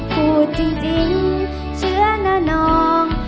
พูดจริงจริงเชื่อนานอง